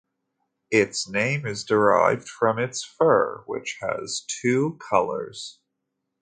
Its name is derived from its fur, which has two colours.